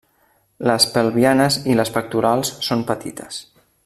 Les pelvianes i les pectorals són petites.